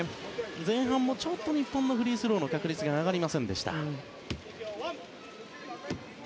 前半もちょっと日本のフリースローの確率が上がりませんでした。